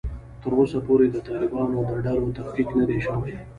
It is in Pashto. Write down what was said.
تر اوسه پورې د طالبانو د ډلو تفکیک نه دی شوی